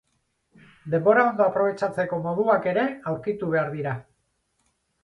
Denbora ondo aprobetxatzeko moduak ere aurkitu behar dira.